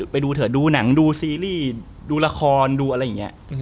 ไปดูเถอะดูหนังดูซีรีส์ดูละครดูอะไรอย่างนี้